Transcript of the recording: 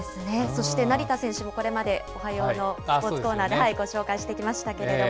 そして成田選手もこれまでおはようのスポーツコーナーでご紹介してきましたけれども。